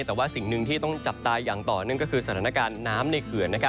แต่ว่าสิ่งหนึ่งที่ต้องจับตาอย่างต่อเนื่องก็คือสถานการณ์น้ำในเขื่อน